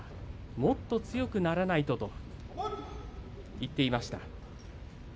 もっと強くならないとと言っていました。